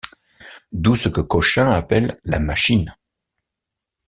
D’où ce que Cochin appelle la Machine.